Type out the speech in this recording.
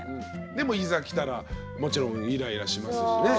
でもいざ来たらもちろんイライラしますしね。